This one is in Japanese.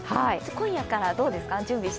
今夜からどうですか、準備して。